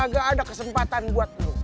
gak ada kesempatan buat lu